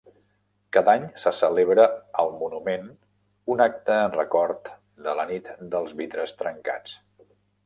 Cada any se celebra al monument un acte en record de la Nit dels vidres trencats.